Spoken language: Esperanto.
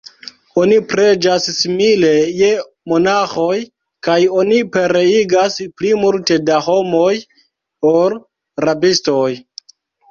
Oni preĝas simile je monaĥoj kaj oni pereigas pli multe da homoj, ol rabistoj.